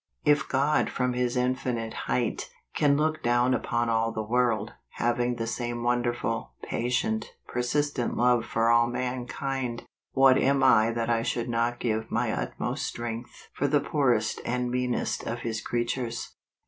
If God from his infinite height, can look down upon all the world, having the same wonderful, patient, persistent love for all mankind, what am I that I should not give my utmost strength for the poorest and meanest of His creatures